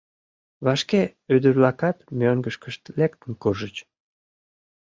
Вашке ӱдыр-влакат мӧҥгышкышт лектын куржыч.